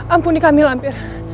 ampuni kami lampir